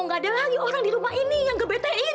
gak ada lagi orang di rumah ini yang nge betein